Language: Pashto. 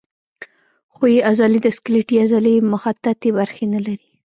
ښویې عضلې د سکلیټي عضلې مخططې برخې نه لري.